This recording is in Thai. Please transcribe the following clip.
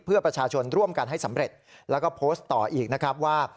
เพื่อประชาชนร่วมกันให้สำเร็จแล้วก็โพสต์ต่ออีกนะครับว่า